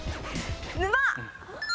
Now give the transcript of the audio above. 沼。